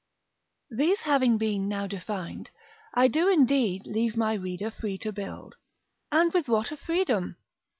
These having been now defined, I do indeed leave my reader free to build; and with what a freedom!